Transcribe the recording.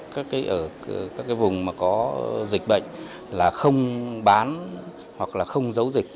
các cái vùng mà có dịch bệnh là không bán hoặc là không giấu dịch